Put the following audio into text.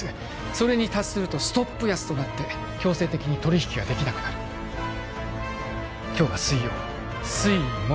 それに達するとストップ安となって強制的に取引ができなくなる今日が水曜水木